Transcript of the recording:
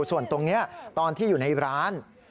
ส่วนตรงนี้ตอนที่อยู่ในร้าน